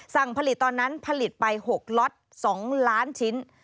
สั่งผลิตตอนนั้นผลิตไป๖ล็อต๒ล้านชิ้น